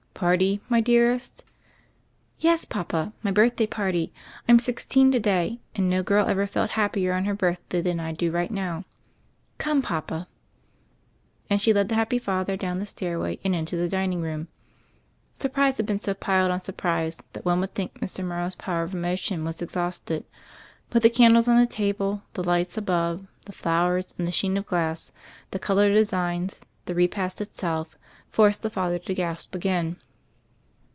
"Party, my dearest?" "Yes, papa; my birthday party; I'm sixteen to day, and no girl ever felt happier on her birthday than I do right now. Come, papa." And she led the happy father down the stair way and into the dining room. Surprise had been so piled on surprise that one would think Mr. Morrow's power of emo tion was exhausted, but the candles on the table, the lights above, the flowers and the sheen of glass, the color designs, the repast itself, forced the father to gasp again.